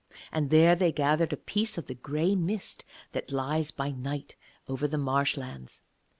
And there they gathered a piece of the grey mist that lies by night over the marshlands.